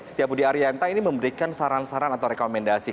setia budi arianta ini memberikan saran saran atau rekomendasi